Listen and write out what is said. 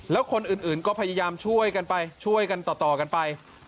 แล้วคนอื่นก็พยายามช่วยกันไปช่วยกันต่อกันไป